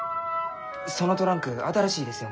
そのトランク新しいですよね？